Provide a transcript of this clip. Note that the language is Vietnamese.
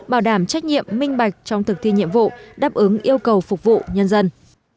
bảo đảm trách nhiệm minh bạch trong thực thi nhiệm vụ đáp ứng yêu cầu phục vụ nhân dân